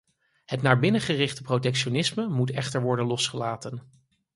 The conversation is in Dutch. Het naar binnen gerichte protectionisme moet echter worden losgelaten.